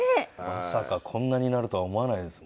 まさかこんなになるとは思わないですもんね。